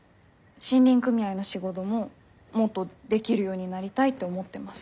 森林組合の仕事ももっとできるようになりたいって思ってます。